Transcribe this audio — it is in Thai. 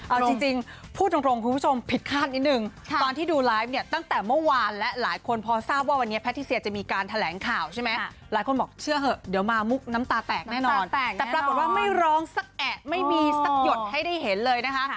เอาจริงพูดตรงคุณผู้ชมผิดคาดนิดนึงตอนที่ดูไลฟ์เนี่ยตั้งแต่เมื่อวานและหลายคนพอทราบว่าวันนี้แพทิเซียจะมีการแถลงข่าวใช่ไหมหลายคนบอกเชื่อเถอะเดี๋ยวมามุกน้ำตาแตกแน่นอนแต่ปรากฏว่าไม่ร้องสักแอะไม่มีสักหยดให้ได้เห็นเลยนะคะ